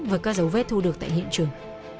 với các dấu vết thu được tại hiện trường